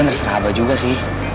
lagi ngeri serah abah juga sih